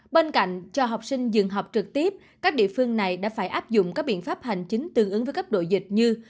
bên cạnh cho học sinh dừng học trực tiếp các địa phương này đã phải áp dụng các biện pháp hành chính tương ứng với cấp độ dịch như